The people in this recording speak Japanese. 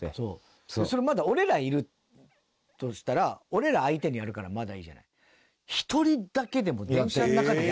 それまだ俺らいるとしたら俺ら相手にやるからまだいいじゃない。